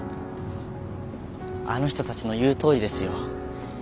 あの人たちの言うとおりですよ。